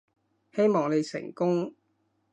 希望你成功